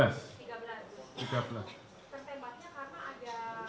tertembaknya karena ada